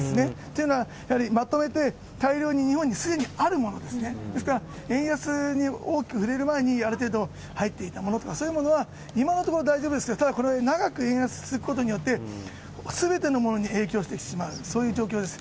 というのは、やはりまとめて大量に日本にすでにあるものですね、ですから円安に大きく振れる前にある程度、入っていたものとか、そういうものは今のところ大丈夫ですけど、ただこれ、長く円安が続くことによって、すべてのものに影響してしまう、そういう状況です。